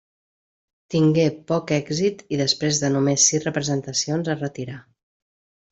Tingué poc èxit i després de només sis representacions es retirà.